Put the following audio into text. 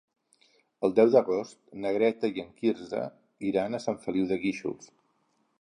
El deu d'agost na Greta i en Quirze iran a Sant Feliu de Guíxols.